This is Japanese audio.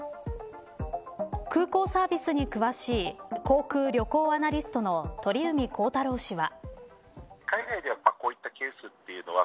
空港サービスに詳しい航空・旅行アナリストの鳥海高太朗氏は。